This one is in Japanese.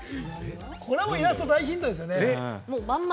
これはもう、イラスト大ヒントですよ。